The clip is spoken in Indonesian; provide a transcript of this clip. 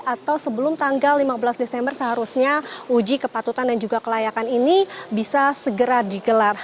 atau sebelum tanggal lima belas desember seharusnya uji kepatutan dan juga kelayakan ini bisa segera digelar